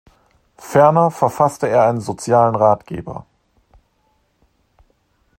Ferner verfasste er einen sozialen Ratgeber.